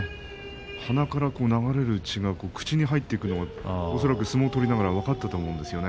鼻から流れる血が口に入ってくるのが相撲を取りながら分かったでしょうね。